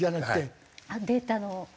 データの？